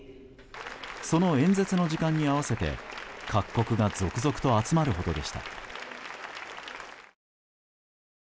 その演説の時間に合わせて各国が続々と集まるほどでした。